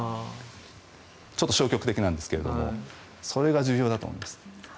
ちょっと消極的なんですけどそれが重要だと思います。